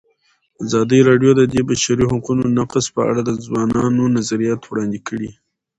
ازادي راډیو د د بشري حقونو نقض په اړه د ځوانانو نظریات وړاندې کړي.